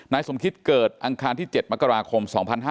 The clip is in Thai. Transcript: สมคิดเกิดอังคารที่๗มกราคม๒๕๕๙